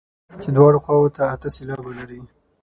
چې دواړو خواوو ته اته سېلابه لري.